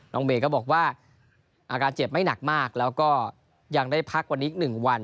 เมย์ก็บอกว่าอาการเจ็บไม่หนักมากแล้วก็ยังได้พักวันนี้อีก๑วัน